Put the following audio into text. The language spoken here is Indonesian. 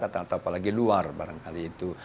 atau apalagi luar barangkali itu